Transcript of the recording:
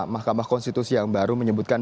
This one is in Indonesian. mahkamah konstitusi yang baru menyebutkan